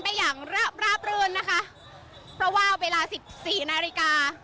อย่างราบรื่นนะคะเพราะว่าเวลาสิบสี่นาฬิกา